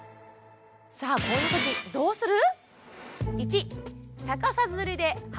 さあこういう時どうする？